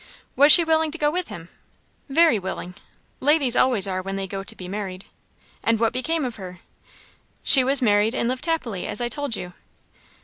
"Was she willing to go with him?" "Very willing. Ladies always are, when they go to be married." "And what became of her?" "She was married and lived happily, as I told you."